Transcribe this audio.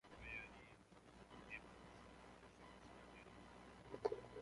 بەیانی لێم دەپرسن شەو چمان لێنابوو؟